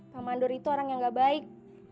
pak mandor itu orang yang gak baik